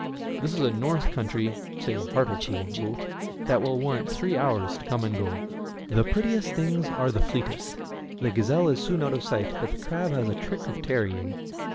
This is a north country — say Hartlepool — boat, that will want three hours to come and go. The prettiest things are the fleetest. The gazelle is soon out of sight, but the crab has a trick of tarrying.